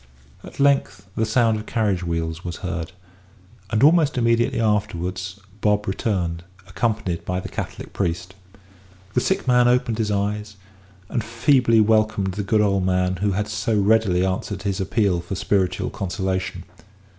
At length the sound of carriage wheels was heard; and almost immediately afterwards Bob returned, accompanied by the Catholic priest. The sick man opened his eyes, and feebly welcomed the good old man who had so readily answered his appeal for spiritual consolation.